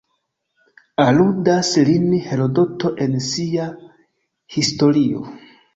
Aludas lin Herodoto en sia Historio.